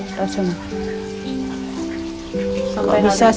kalau bisa semua begini gitu loh